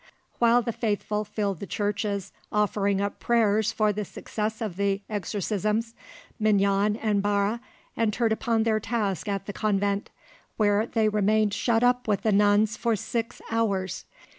While the faithful filled the churches offering up prayers for the success of the exorcisms, Mignon and Barre entered upon their task at the convent, where they remained shut up with the nuns for six hours.